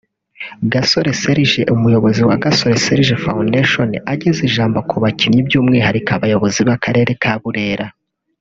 Gasore Serge umuyobozi wa 'Gasore Serge Foundation' ageza ijambo ku bakinnyi by'umwihariko abayobozi b'akarere ka Burera